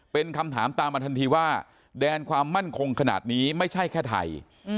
เป็นคำถามตามมาทันทีว่าแดนความมั่นคงขนาดนี้ไม่ใช่แค่ไทย